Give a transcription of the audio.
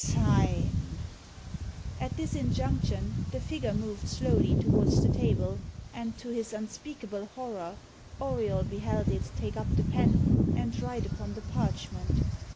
Sign!" At this injunction, the figure moved slowly towards the table, and to his unspeakable horror, Auriol beheld it take up the pen and write upon the parchment.